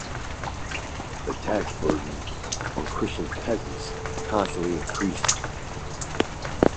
The tax burden on Christian peasants constantly increased.